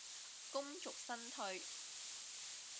功遂身退